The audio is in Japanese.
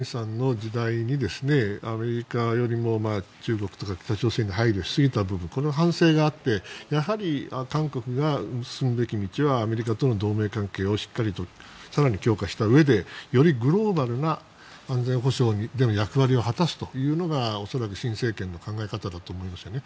やはり文在寅さんの時代にアメリカよりも中国とか北朝鮮に配慮しすぎた部分この反省があってやはり韓国が進むべき道はアメリカとの同盟関係をしっかりと更に強化したうえでよりグローバルな安全保障での役割を果たすというのが恐らく新政権の考え方だと思いますね。